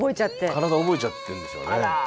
体覚えちゃってんでしょうね。